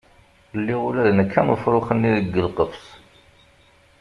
Lliɣ ula d nekk am ufrux-nni deg lqefs.